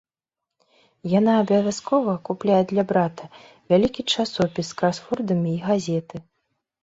Яна абавязкова купляе для брата вялікі часопіс з красвордамі і газеты.